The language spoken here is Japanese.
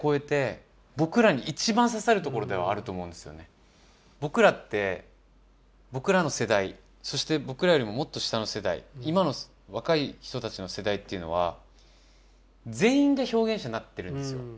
あの時にこそ僕らって僕らの世代そして僕らよりももっと下の世代今の若い人たちの世代というのは全員で表現者になってるんですよ。